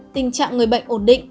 tình trạng người bệnh ổn định